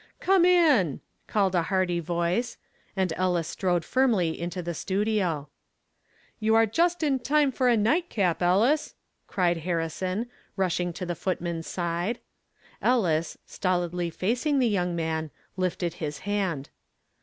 "Come in!" called a hearty voice, and Ellis strode firmly into the studio. "You are just in time for a 'night cap,' Ellis," cried Harrison, rushing to the footman's side. Ellis, stolidly facing the young man, lifted his hand.